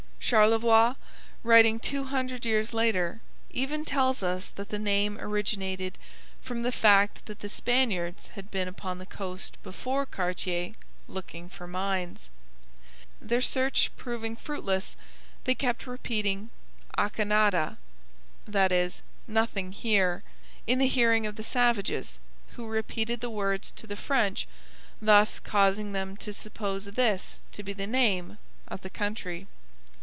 Charlevoix, writing two hundred years later, even tells us that the name originated from the fact that the Spaniards had been upon the coast before Cartier, looking for mines. Their search proving fruitless, they kept repeating 'aca nada' (that is 'nothing here') in the hearing of the savages, who repeated the words to the French, thus causing them to suppose this to be the name of the country.